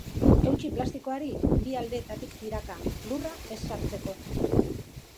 Eutsi plastikoari bi aldeetatik tiraka, lurra ez sartzeko.